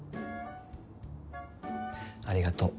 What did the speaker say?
ありがとう。